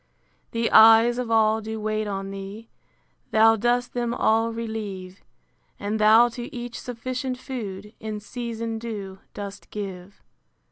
The eyes of all do wait on thee; Thou dost them all relieve: And thou to each sufficient food, In season due, dost give.